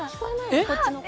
こっちの声。